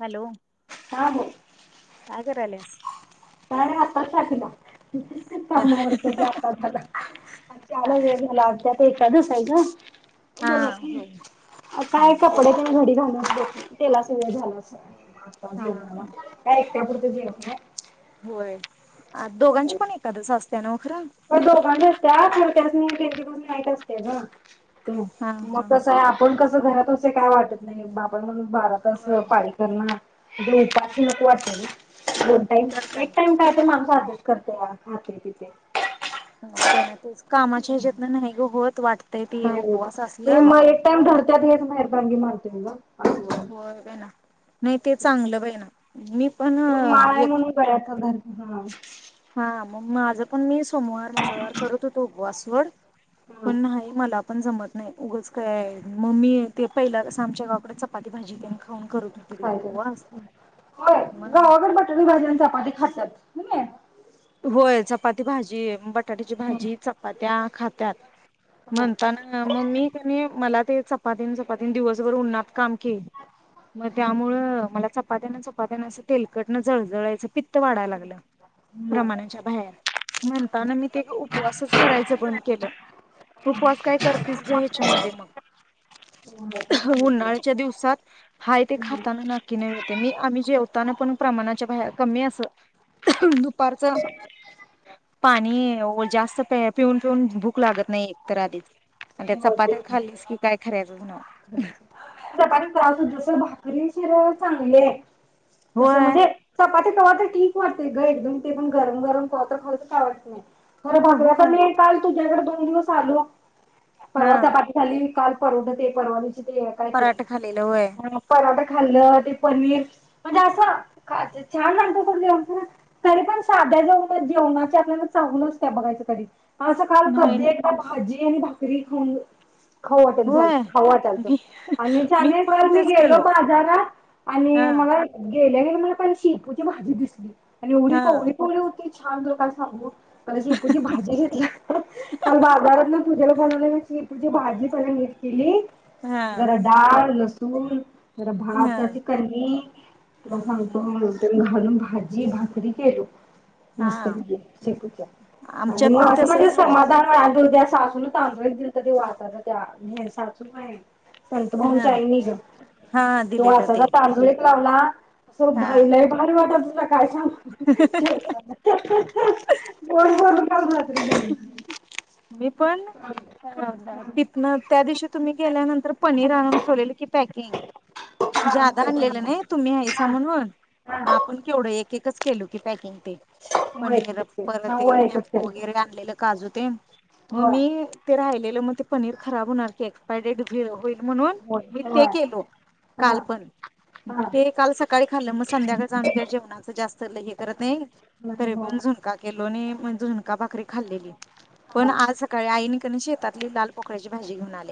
Hello हा बोल काय करालेस? काय नाही बग आता चहा पिला. कामावर ज झाला हा चहाला वेळ झाला आज पण एकादिवसाचं हा बोला की, हो काय एक कपडे तेन घडी घालून त्याला सगळं झालं आता हा जेवणाला हा काय त्यापुढच जेवण होय. होय. अ दोघांची पण एकादस असत्या नव्ह? खरं पण दोघांची असतिया खरं त्यासनी त्यांची ड्युटी नाईट असतीया गं ते हा मग हा कसं हाय आपण कसं ते घरात असे काय वाटत नई बाबान [unintelligible] बारा तास होय पाळी करणं. [unintelligible] नको वाटतय गं. दोन टाईम एक टाइम काय तर माणू [unintelligible] अभ्यास करते या खाते पिते नाई बईना तेच कामाचे हेज्यातनं नाही ग होत वाटतय ते नाही होत उपवास असल, ते मग एक टाइम धरतात हेच मेहरबानगी मानते मी ग असं होय बई ना. नई ते चांगलं बई ना. मी पण उग माळ आय एक म्हणून गळ्यात [unintelligible] घाल हा हा म माझ पण मी सोमवार, मंगळवार करत हुतो उपवास सोड, हा पण नाही मला पण जमत नई उगच काय म मी ते पहिला कस आमच्या गावाकडं चपाती भाजी तेन खा कायतरच हाय मग गावाकड बटाटू भाजी आणि चपाती खात्यात. हुमे होय चपाती भाजी बट टाट्याची हा भाजी चपात्या खात्यात. म्हणताना म मी कणी मला ते चपातीन चपातीन दिवसभर उन्हात काम की म त्यामुळ मला चप चपात्यान चपात्यान असं तेलकटनं जळजळायचं. पित्त वाढाय लागलं. प्रमाणाच्या बाहेर म्हणताना मी ते उपवासच करायचं बंद केलं, उपवास काय करतीस गं हेच्यामध्ये मग, हा ते पण उन्हाळ्याच्या दिवसात हाय ते हा खाताना नाकी नऊ येतंय मी आम मी जेवताना पण प्रमाणाच्या बाहेर कमी अस दु पारच पाणी नाई ओ जास्त पे पिऊन पिऊन भूक लागत नई एक तर आधीच आणि त्या चपात्या खाल्लीस की काय खऱ्याचचं नाई. तुझ्या [unintelligible] जीव तस भाकरी शीर चांगली आय. तसं होय. म्हणजे चपाती कवातर ठीक वाटते ग एकदम ते पण गरम गरम कवातर खालं तर काय वाटत नई. खर भाकऱ्या होय पण नई काल तुझ्याकड दोन दिवस आलोया. हा परवा चपाती खाल्ली. काल परोठ ते. परवली काय ते पराठे खालेलं होय म्हणे पराठा ते खाल्लं ते पनीर म्हणजे असं छान लागत तरी पण साध्या जऊन जेवणाची आपल्याला चांगलं असत बघायच कधी. असं काल नाही कधी एकदा भाजी. एन भाकरी खाऊग. खाऊ वाटेल भर. होय. खाऊ वाटालतो मी आणि मी छाननी पण करू मी तेच गेलो केलो. बाजारात हा आणि मला गेल्या गेल्या मला पहिले शेपूची भाजी दिसली आणि एवढी हा कवळी कवळी होती. छान लोका सांगू मण शेपूचि भाजी घेतली काल बाजारात ना पूजेला बोलवल्या तुझी भाजी पहिला घे. केली हा जरा डाळ लस तूर! जरा हा भातची कनी तुला सांगतो मग घालून घा भाजी भाकरी केलो [unintelligible] हा सासून आमच्यात पण तसच झालं तांदुळीक दिल तर ते वासाच त्या पाच रुपय आहेत. संतभन हा चायनीज हा तू दिलेलं अस ते तांजू लावला असं हा भाइलाई लयभारी वाटत होता काय सांग. [unintelligible] मी पण अ पितन त्या दिवशी. तुमी गेल्यानंतर पन नीर आणून ठेवल्याल की पॅकिंग ज्यादा आणलेलं नाही तुम्ही आहे हा सा म्हणून मग हा आपण केवढं एक एकच केल की पॅकिंग पनीर ओळखच हा परते ओळखच मॅपको केलं वगैरे आणलेलं काजू तेन म होय मी त रा केलेलं म ते पनीर खराब होणार की एक्सपायरी डेट होईल. म्हणून होय मी ते केलो हा काल पण हा ते काल सकाळी खाल्लं मग संध्याकाळी आम्ही का जेवणाच जास्त ल हे करत नाय नाही तरी हो पण झुणका केलोनी म्हण झुणका भाकरी खाल्लेली. हा पण आज सकाळी आईनी तिनी शेतातली लाल पोकळ्याची भाजी घेऊन आली.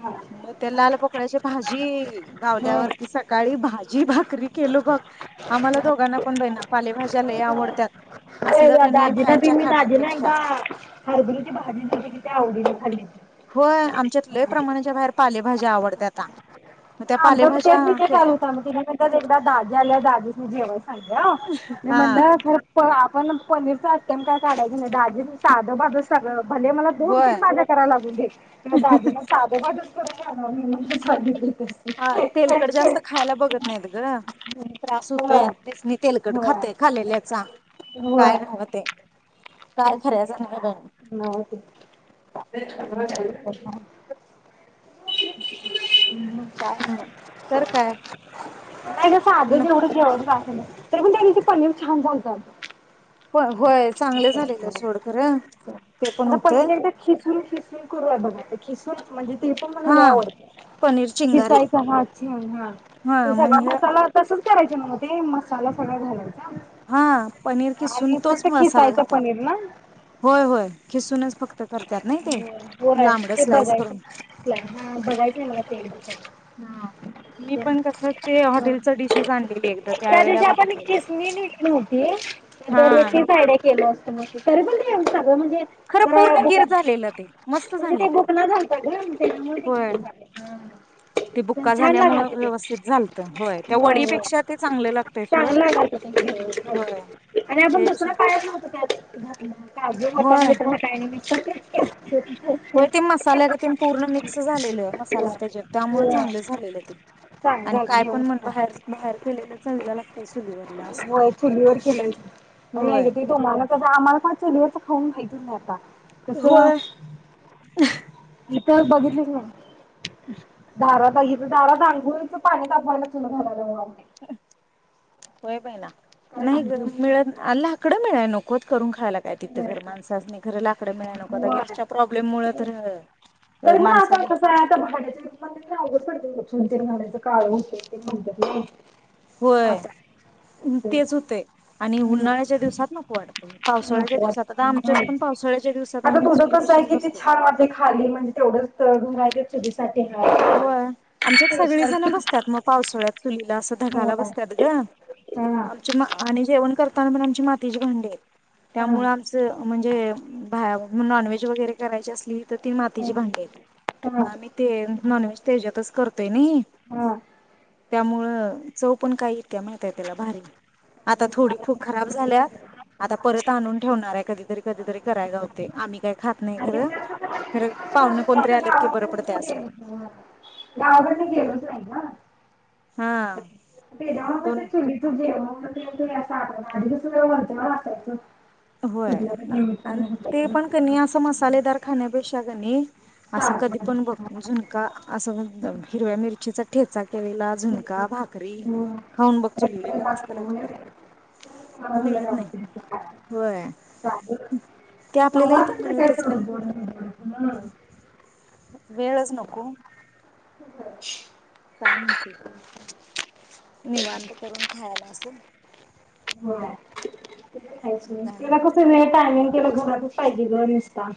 हा म त्या लाल पोकडळ्याची भाजी होय. गावल्यावरती सकाळी भाजी भा करी केलो बघ आम्हाला दोघांना पण बइना पालेभाज्या लय आवडत्यात. दाजींना [unintelligible] ति मी दाजींना ना एकदा हरब भाजी किती आवडीन खाल्ली. पण आमच्यात लई प्रमाणाच्या बाहेर पालेभाज्या आवडत्याता. मग त्या आमचा म पालेभाज्या तेच विषय चालू केल्या. होता मी तिने म्हणत एकदा दाजी आल्यावर दाजीसनी जेवाय सांगल मी हा म्हणलं खूप आप पण पनीर चालत ण काय काढायच नाही दाजी साध भाध सगळं भले मला दोन होय तीन भाज्या करायला लागू दे दाजींना साधे भादच मी म्हंटल सांगितलतर हा तेलकट जास्त खायला बघत नाहीत ग त्रास होय होतोय तेसनी तेलकट होय खातय खालेल्याचा होय काय नाव ते काय तेच की. खऱ्याचा नाय ग नव्ह ते [unintelligible] [inaudible] काय नव्ह तर काय नाय तर पण त्यानीते पणीर छान झालत. [unintelligible] चांगलं झालेलं सोड खरं ते पण आता होतं पनीर एकदा खिसून खिसून करूया बघ आपण खिसुन म्हणजे ते पण मला लई हा आवडतय पनीर चिंगारी खिसायचा ह अछ ह तो हा सगळा म्हणजे मसाला तसाच करायं मग ते मसाला सगळं झाल्यावर हा पनीर किसून तोच मलासा खायचा पनीर ना खिसूनच फक्त करतात नाही ते होय ब लांबड ते स्लाइस बघायच करून बघायच मला ते [inaudible] हा मी पण कस ते हॉटेलच डिशेस आणलेली एकदा त्या त्यावेेळेला दिवशी आपण बघितलेल्या खिसणी नेली नव्हती. हा दररोजचीच [unintelligible] तरी पण ते [unintelligible] ते म्हणजे खरं जरा पूर्ण गिर झालेलं ते मस्त म्हणजे ते झालेलं बुक न झालता ग त्यामुळे ते होय घेतले हा ते पण बुक्का छान झाल्यामुळे लागलाय की व्यवस्थित झालत तो. त्या होय होय वडीपेक्षा ते चांगलं लागतय सोड चांगल लागायच होय ते आणि आपण त्यापेक्षा दुसरा पायच नव्हतं. काजू घातला होय काजू वाटाणा मीच घातलाय आणि मी. होय ते मसाल्यागतीन पूर्ण मिक्स झालेलं मसाला तेच्यात त्यामुळं चांगल झालेलं ते चांग आणि काय पण जेवण म्हणता हाज बाहेर केलेलं चवीला लागतंय चुलीवरल असून होय चुलीवर केलंय नाही होय. ग ते तुम्हाला कस आम्हाला पण चुलीवरच खाऊन माहीतच नाही आता. कस? होय तर बघितलीस नव वारा तइत ते दारात अंघोळीच पाणी तापवायला चुल घालालोया. होय पाहि ना काय नाही ग सांगतेस मिळेल अन लाकड मिळाय नकोत करून घा खायला काय तिथं घर माणसासनी खर लाकडं मिळाय नकोत. आता होय गॅसच्या प्रॉब्लेम मुळ तर अ तरी पण आता माणसांनी कसं तुमच्याच नवऱ्याच्या काळ हुतंय तेनी म्हनत्यात. होय तेच होतय आणि हम्म उन्हाळ्याच्या दिवसात नको वाट नको वाटतय म्हणून तर आली. पावसाळ्याच्या दिवसात आता आम्ही थोडं कस हाय चुलीपशीच किती बसतोय. छान वाटतंय खाली म्हणजे तेवढंच चव गम काय ते चुलीच होय आमच्यात सगळी जण किती बसतात मग पावसाोळ्यात. चुलीला असं होय धगाला बसतात ग हा आमचे म आणि जेवण करता त्यामुळं आमची मातीची भांडी आहेत. हा त्यामुळ आमचं म्हणे ते बाहेरून नॉनव्हेज वगैरे करायची असली तर ती हा मातीची भांडी हाईत मग हा आम्ही ते नॉन व्हेज त्याच्यातच करतोय नी. हा त्यामुळं चव पण काय येत्या माहितय त्याला भारी. आता थोडी फूक खराब झाल्यात. आता परत आणून ठेवणार हाय कधीतरी- कधीतरी कराय गावतय. आम्ही काय खात नाही आणि खरं त्यात कसं कधी खरं किती पावन कोणतरी आलत की बरं पडतय असन. ह गावाकडन गेलोच नाही गं. हा ते दोन गावाकडचं चुलीच जेवण आधी [unintelligible] कसं भारी वाटायचं होय आणि ते पण कनी तरी अस मसालेदार खाण्यापेक्षा कनी असं कधी साधन पण बघ झूनका असं द हिरव्या मिर चीचा ठेचा केलेला झुणका भाकरी हो खाऊन बघ चुलीवलेली मस्त लागत्या [unintelligible] त्या असं काही पण बणुन घ्यायचं न वेळच नको काय म्हणती? निवांत करून खायला असं होय. ते तर खायचं. गा त्याला कसं वेळ टायमिंग तकेला घरातच पाहिजे ग निस्ता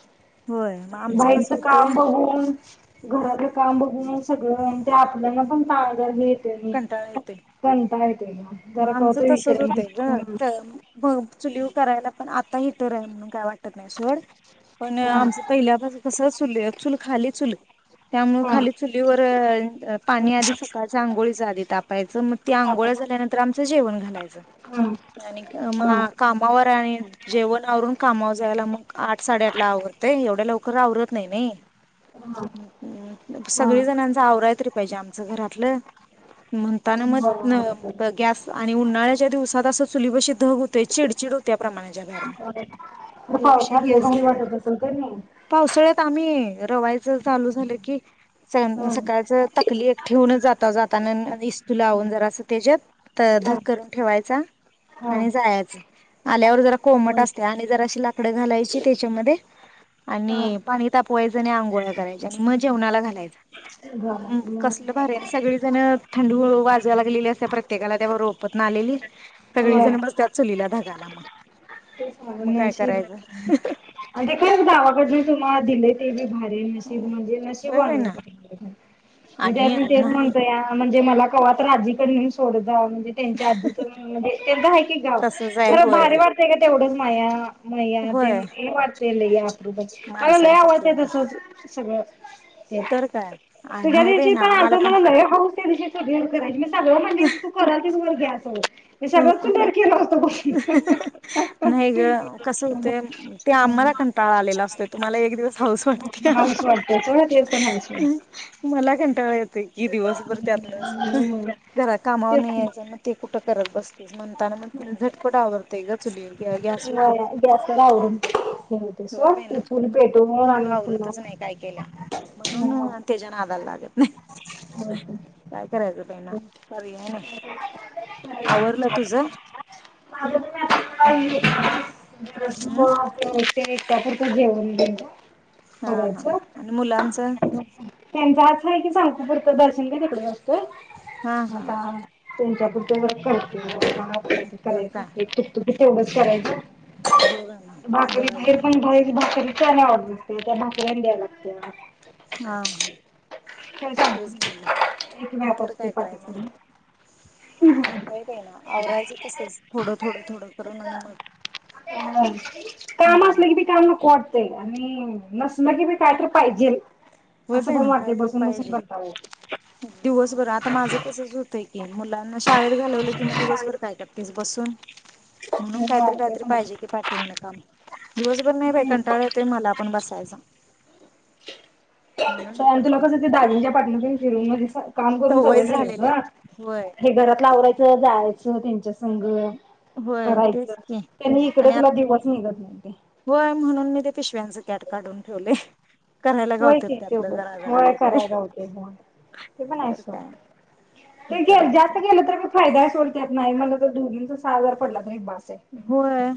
होय मग आमचं कसं बाहेरचा होतंय काम बघून घरातला काम बघून सगळं ते आपल्याला पण तांग आहेत. त्यांनी कंटाळा [unintelligible] येतोय कंटाळ ये मग आमचं तसचं होतय हम्म ग [unintelligible] चुलीवर करायला पण आता हिटर आहे म्हणून काय वाटत नाही सोड पण हा आमचं पहिल्यापासून कसं चुल्य चूल खाली चुल आहे. त्यामुळे हा खाली चुलीवर हम्म पाणी आधी सकाळच्या आंघोळीचा आधी तापायचं मग ते आघोळ्या कापड झाल्यानं आमचं जेवण घालायचा हा आणि हा कामा कामावर आहे आणि जेवणं आवरून कामावर जायला मग आठ साडे आठला आवरते. तेवढ्या लवकर आवरत नाही-नाही हा हा सगळी जणांचा आवरायत रे पाहिजे आम आमचं घरातलं म्हणताना मध्न बरोबर आहे न गॅस आणि उन्हाळ्याच्या दिवसात असं चुलीपशी धुग होतोय चिडचिड होत्या प्रमाणाच्या बाहेर बरोबर त्यापेक्षा पावसात लय गॅस भारी वाटत असेल का नाही पावसाळ्यात आम्ही रवायचं चालू झालं की सन हा सकाळचं तकली एक ठेवूनच जाता जाताना इस तुलावून जरा असं त्याच्यात तर हा धक्क करून ठेवायचा हा आणि जायचं ल्यावर जरा कोमट होय असते की आणि जर अशी लाकड घालायची त्याच्यामध्ये हा आणि पाणी तापवायचं जने आंघोळ्या करायचाआणि मग जेवणयाला घालायचं झालं मग कसलं भारी आणि सगळीजण थंडु हळ वाजत झालं की लिहिलेला असते परत त्येकाला त्यावर रोपतन आलेली सगळी होय जण बसत्यात चुलीला धाग गाला म [unintelligible] अ आणि ते काय गावाकडं जे मा दिले ते बी भारी नशीब म्हणजे होय नशीबवान बाई ना आहे मी आणि हायसनी तेच नाही म्हणतो या म्हणजे मला कवा तर र आजीकड नेऊन सोड म्हणजे त्यांच्या आजीच म्हणजे आहे की गाव तसच आहे तर होय भारी वाढतंय का तेवढंच पाया मया होय तेन तेल ले ग मला लई माणसांच्या ते आवडतं तसंच सगळं च तर काय तुझ्या नाही बाई दिवशी ना पण आ आम्हाला मला हौस त्या दिवशी स करायची मी सगळं म्हं तू करा हे अस मी सगळं चुलीवर केल होतो बग नाही ग कसं होतंय ते आम्हाला कंटाळा आलेला असतोय तुम्हाला एक दिवस हाऊस वाटत्या हाऊस वाटत ते पण हाय सोड मला कंटाळळा येतं कि दिवसभर त्यातन हम्म घरात कामावर तेच नाही की यायचना ते कुठ करत बसतीस म्हणताना झटपट आवरते ग चुली गॅसवर गॅसवर आवरून हे होतंय सोड ते चूल पेटवून चुलीवर आणि पुन्हा आवरतच नाही काय केल्या म्हणनून तेज च्या नादाला लागत नाही काय करायचं बाईना पर्याय नाही. आवरल तुझ कसला आवडते ते त्या पुरतच जेवण घेऊन जा हा हा आणि मुलांचं त्याचं असं आहे की चालता फिरता दर्शन घे तिकडं होय हा म हा आता त्यांच्यापुरतं च करते तर करायचं हे तेवढाच करायचं होय बाई ना जरा जरा ते भाकरी च आणि आवरत बसतोय त्या भाकरी आणि द्याय लागत्या. ह ह काय तेच सांगते एक म्हणलं व्याप तर असते काय करायचं? पाठीमागे वेळ कळना. आवरायचं तसच थोडं-थोडं-थोडं करून आणि मग काम असलं की बी काम नको वाटतंय आणि नसलं की बी काय तर पाहिजेल. हो असं बे पण ना वाटतंय काहीतरी बसून बसून पाहिजे. कंटाळा दिवसभर आता माझं तसच होतय की, मुलांना शाळेत लवलं कि मग दिवसभर काय करतिस बसून? म्हणून येतो काहीतरी हो ते काहीतरी पण पाहिजे आहे की पाठी मन काम. दिवसभर नाही बाइ हम्म कंटाळा येतोय मला पण बसायचा. [unintelligible] म्हणून हे आणि तुला करते कसं ते दाजंच्या पाटनं तेन फिरून दिस काम करून सवय झाल्या झालेल्या. गं होय हे घरातलं आव जायचं त्यांच्या संघ होय तेच की. आणि आ तुला दिवस निघत नाही ते. होय म्हणून मी ते पिशव्यांच कॅट काढून ठेवलय. करायला वय की गावत्यात त्यातलं तेवढच जरा जरा वय काहीतरी कराय घावतंय वय ते पण हाय तर सोड. काय ते गे जास्त चालतंय गेलं तर फायदाय सोड त्यात नाही म्हणलं तर दोघिचं सहा‌ हजार पडला म्हणजे बास. आहे. होय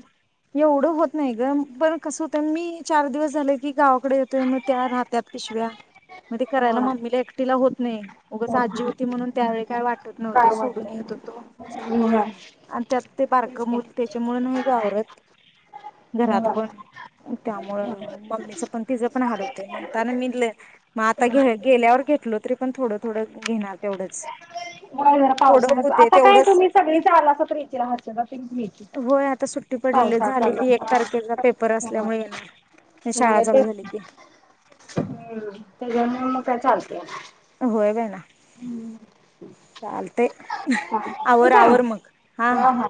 एवढं होत नाही गं पण कसं होतंय मी चार दिवस झालं की गावाकडे येतोय मग त्या राहत्यात पिशव्या मग ते करायला होय मम्मीला एकटीला होत नाही. ऊगच होत आजी हुती नाही म्हणून त्यावेळी काय वाटत नव्हतं काय सोडून वाटलं येत होतो नाही. होय. आणि त्यात ते तेच बारकं की मुल त्याच्यामुळे नाही गं आवरत घरात पण होय. त्यामुळं मम्मीच पण तिचं पण हाल होतय. म्हणताना मीनल मं आता घ गेल्यावर घेतलो तरी पण थोडं-थोडं घेणार तेवढंच. होय जरा थोडं पावसाळ्यात होते आता काय तेवढंच. तुम्ही सगळीच आलासा तर येचीला हर्षदा तेन पण येतील. होय आता सुट्टी पडलेली पावसाळा झाली चालू की तारखेचा पेपर हाय हा असल्यामुळे ना शाळा होय चालू तेच झाली की म काय‌‌ चाल‌तय होय बेईना चालतंय. हा ठेऊ काय हा हा